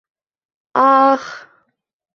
А-ах!